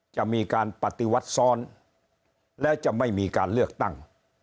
จะมีการปฏิวัติซ้อนแล้วจะไม่มีการเลือกตั้ง